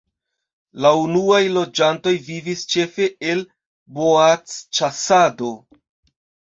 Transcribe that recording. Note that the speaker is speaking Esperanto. La unuaj loĝantoj vivis ĉefe el boacĉasado.